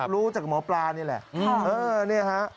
รู้จากหมอปลานี่แหละเออเนี่ยฮะ